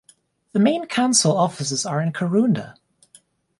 The main council offices are in Karoonda.